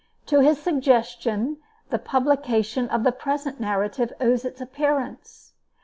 To his suggestion the publication of the present narrative owes its appearance.